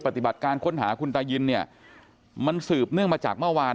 ปฏิบัติการค้นหาคุณตายินเนี่ยมันสืบเนื่องมาจากเมื่อวาน